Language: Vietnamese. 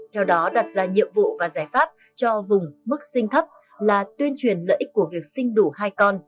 theo đó đặt ra nhiệm vụ và giải pháp cho vùng mức sinh thấp là tuyên truyền lợi ích của việc sinh đủ hai con